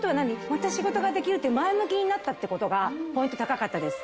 また仕事ができる！って前向きになったって事がポイント高かったです。